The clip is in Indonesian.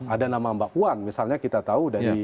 ada nama mbak puan misalnya kita tahu dari